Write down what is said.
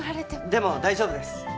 でも大丈夫です。